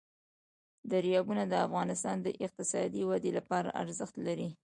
دریابونه د افغانستان د اقتصادي ودې لپاره ارزښت لري.